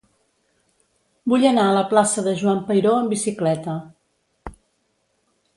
Vull anar a la plaça de Joan Peiró amb bicicleta.